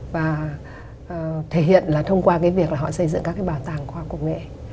và thể hiện là thông qua việc họ xây dựng các bảo tàng khoa học công nghệ